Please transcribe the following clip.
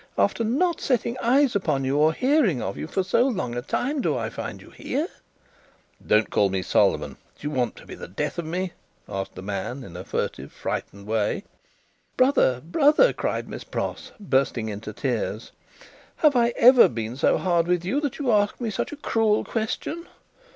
"After not setting eyes upon you or hearing of you for so long a time, do I find you here!" "Don't call me Solomon. Do you want to be the death of me?" asked the man, in a furtive, frightened way. "Brother, brother!" cried Miss Pross, bursting into tears. "Have I ever been so hard with you that you ask me such a cruel question?"